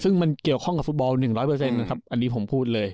ซึ่งมันเกี่ยวข้องกับฟุตบอล๑๐๐นะครับอันนี้ผมพูดเลย